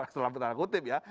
setelah kutip ya